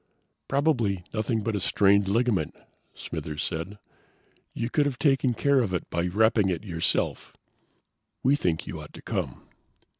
"Probably nothing but a strained ligament," Smithers said. "You could have taken care of it by wrapping it yourself." "We think you ought to come."